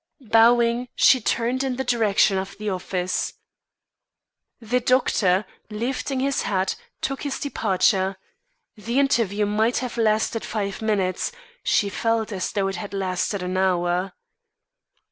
Bowing, she turned in the direction of the office. The doctor, lifting his hat, took his departure. The interview might have lasted five minutes. She felt as though it had lasted an hour.